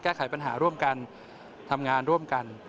แก้ไขปัญหาร่วมกันทำงานร่วมกัน